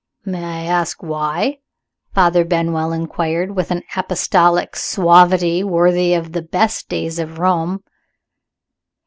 "May I ask why?" Father Benwell inquired, with an apostolic suavity worthy of the best days of Rome.